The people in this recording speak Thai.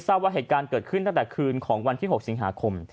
ว่าเหตุการณ์เกิดขึ้นตั้งแต่คืนของวันที่๖สิงหาคม